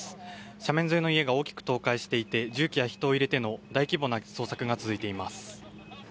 斜面沿いの家が大きく倒壊していて重機や人を入れての大規模な捜索が続いています。